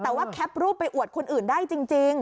แต่ว่าแคปรูปไปอวดคนอื่นได้จริง